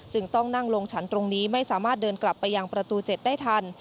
ต้องนั่งลงฉันตรงนี้ไม่สามารถเดินกลับไปยังประตู๗ได้ทัน